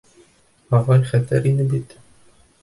Ағай хәтәр ине бит.